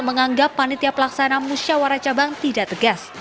menganggap panitia pelaksana musyawarah cabang tidak tegas